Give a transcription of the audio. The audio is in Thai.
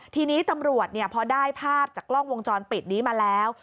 ทีนี้ตำรวจพอได้ภาพจากกล้องวงจรปิดนี้มาแล้ว